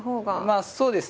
まあそうですね。